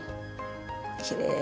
きれい！